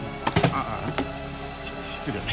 ああ失礼。